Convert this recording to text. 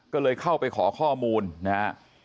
ก็เลยเข้าไปขอข้อมูลนะฮะ